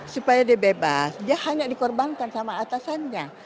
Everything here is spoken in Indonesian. supaya dia bebas dia hanya dikorbankan sama atasannya